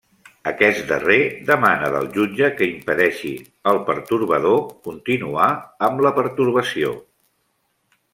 Aquest darrer demana del jutge que impedeixi el pertorbador continuar amb la pertorbació.